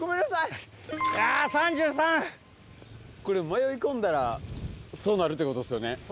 これ迷い込んだらそうなるということですよね。